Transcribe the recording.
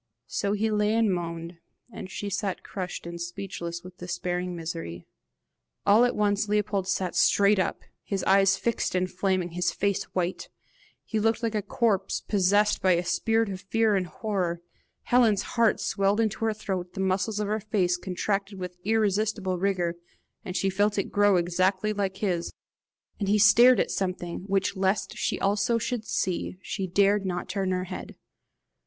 So he lay and moaned, and she sat crushed and speechless with despairing misery. All at once Leopold sat straight up, his eyes fixed and flaming, his face white: he looked like a corpse possessed by a spirit of fear and horror. Helen's heart swelled into her throat, the muscles of her face contracted with irresistible rigor, and she felt it grow exactly like his, while with wide eyes she stared at him, and he stared at something which lest she also should see, she dared not turn her head.